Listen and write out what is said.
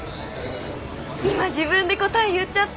今自分で答え言っちゃった！